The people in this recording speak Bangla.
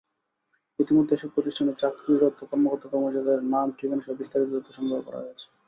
ইতিমধ্যে এসব প্রতিষ্ঠানে চাকরিরত কর্মকর্তা-কর্মচারীদের নাম, ঠিকানাসহ বিস্তারিত তথ্য সংগ্রহ করা হয়েছে।